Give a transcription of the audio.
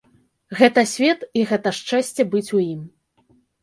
Гэта свет і гэта шчасце быць у ім.